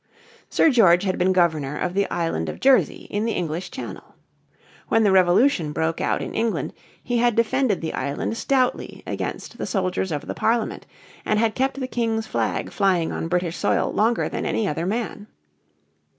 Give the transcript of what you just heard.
Sir George had been Governor of the Island of Jersey in the English Channel. When the Revolution broke out in England he had defended the island stoutly against the soldiers of the Parliament, and had kept the King's flag flying on British soil longer than any other man.